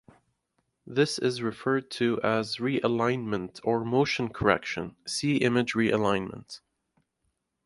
This is referred to as "realignment" or "motion correction", see image realignment.